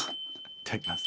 いただきます。